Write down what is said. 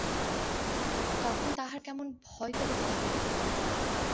তখন তাহার কেমন ভয় করিতে লাগিল।